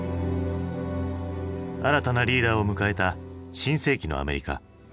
新たなリーダーを迎えた新世紀のアメリカ。